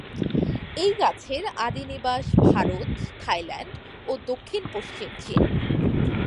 এই গাছের আদি নিবাস ভারত, থাইল্যান্ড ও দক্ষিণ-পশ্চিম চীন।